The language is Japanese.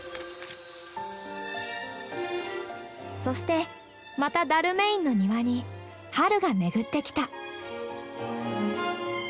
そしてまたダルメインの庭に春が巡ってきた。